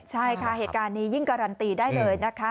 ใช่ค่ะเหตุการณ์นี้ยิ่งการันตีได้เลยนะคะ